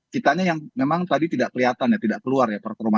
citanya yang memang tadi tidak kelihatan ya tidak keluar ya